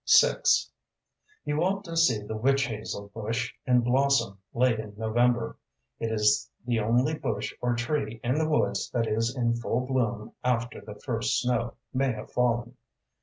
VI You ought to see the witch hazel bush in blossom late in November. It is the only bush or tree in the woods that is in full bloom after the first snow may have fallen.